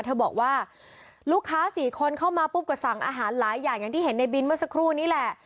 เธอบอกว่าลูกค้าสี่คนเข้ามาปุ๊บก็สั่งอาหารหลายอย่างอย่างที่เห็นในบินเมื่อสักครู่นี้แหละ